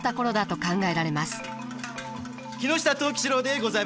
木下藤吉郎でございます。